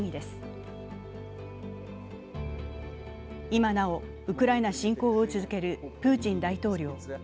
今なおウクライナ侵攻を続けるプーチン大統領。